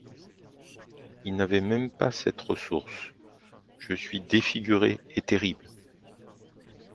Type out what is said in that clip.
Il n’avait même pas cette ressource: — Je suis défiguré et terrible.